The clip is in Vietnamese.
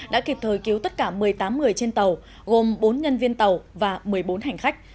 đã kịp thời cứu tất cả một mươi tám người trên tàu gồm bốn nhân viên tàu và một mươi bốn hành khách